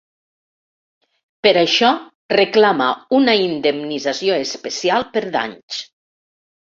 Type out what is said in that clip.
Per això, reclama una indemnització especial per danys.